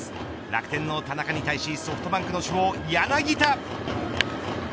楽天の田中に対しソフトバンクの主砲、柳田。